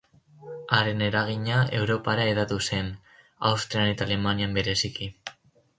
Haren eragina Europara hedatu zen, Austrian eta Alemanian, bereziki.